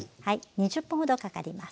２０分ほどかかります。